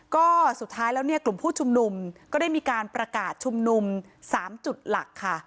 ก็สุดท้ายแล้วเนี่ยกลุ่มผู้ชุมนุมก็ได้มีการประกาศชุมนุม๓จุดหลักค่ะ